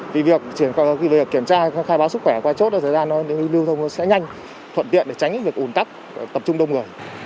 vì việc kiểm tra khai báo sức khỏe qua chốt thì lưu thông sẽ nhanh thuận tiện để tránh việc ủn tắc tập trung đông người